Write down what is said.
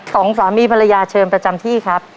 สองสามีภรรยาเชิญประจำที่ครับ